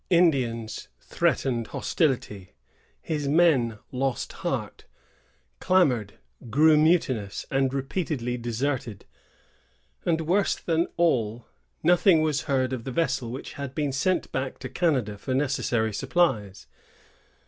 Indians threatened hostility; his men lost heart, clamored, grew mutinous, and repeatedly deserted; and worse than all, nothing was heard of the vessel which had been sent back to Canada for necessary supplies.